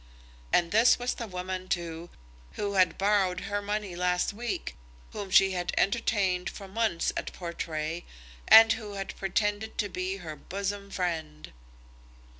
And this was the woman, too, who had borrowed her money last week, whom she had entertained for months at Portray, and who had pretended to be her bosom friend.